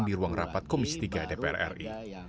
di ruang rapat komisi tiga dpr ri